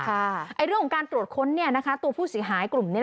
เรื่องของการตรวจค้นตัวผู้เสียหายกลุ่มนี้